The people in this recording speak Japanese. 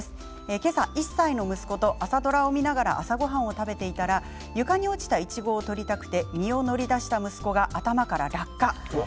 今朝、１歳の息子と朝ドラを見ながら朝ごはんを食べていたら床に落ちた、いちごを取りたくて身を乗り出した息子が頭から落下。